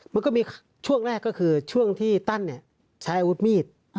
มันก็มีช่วงแรกก็คือช่วงที่ตั้นใช้อาวุธมีด